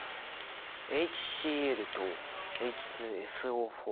ＨＣｌとＨＳＯ。